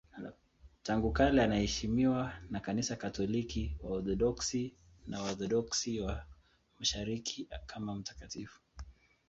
Tangu kale anaheshimiwa na Kanisa Katoliki, Waorthodoksi na Waorthodoksi wa Mashariki kama mtakatifu.